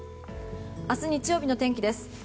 明日日曜日の天気です。